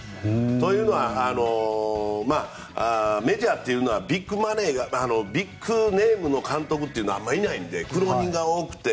というのは、メジャーはビッグネームの監督というのはあんまりいないので苦労人が多くて。